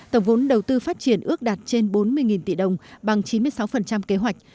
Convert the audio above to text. tổng vốn đầu tư phát triển ước đạt trên bốn mươi tỷ đồng bằng chín mươi sáu kế hoạch